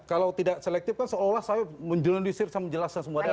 kalau tidak selektif kan seolah olah saya menjelisir sama menjelaskan semua data